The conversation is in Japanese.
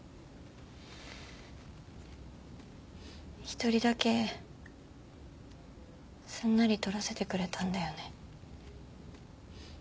一人だけすんなり撮らせてくれたんだよね。